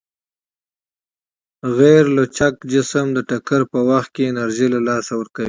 غیرلچک جسم د ټکر په وخت کې انرژي له لاسه ورکوي.